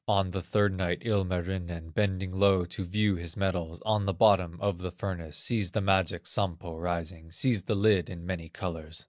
On the third night Ilmarinen, Bending low to view his metals, On the bottom of the furnace, Sees the magic Sampo rising, Sees the lid in many colors.